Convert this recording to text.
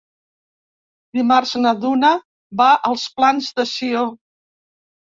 Dimarts na Duna va als Plans de Sió.